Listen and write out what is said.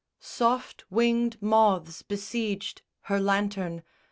Soft winged moths besieged Her lantern.